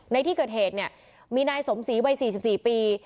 ในที่เกิดเหตุเนี่ยมีนายสมศรีวัย๔๔ปี